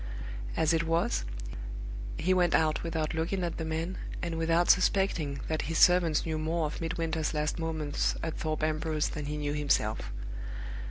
As it was, he went out without looking at the man, and without suspecting that his servants knew more of Midwinter's last moments at Thorpe Ambrose than he knew himself.